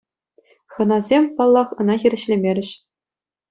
Хӑнасем, паллах, ӑна хирӗҫлемерӗҫ.